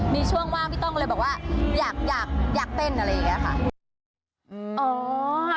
มีช่วงว่างพี่ต้องเลยบอกว่าอยากอยากอยากเต้นอะไรแบบนี้ค่ะ